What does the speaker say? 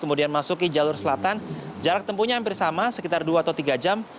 kemudian masuki jalur selatan jarak tempuhnya hampir sama sekitar dua atau tiga jam